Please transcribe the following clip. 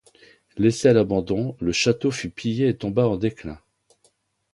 Laissé à l'abandon, le château fut pillé et tomba en déclin.